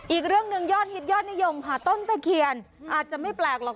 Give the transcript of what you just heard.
อีกเรื่องหนึ่งยอดฮิตยอดนิยมค่ะต้นตะเคียนอาจจะไม่แปลกหรอก